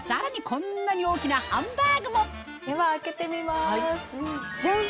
こんなに大きなハンバーグもでは開けてみますジャン！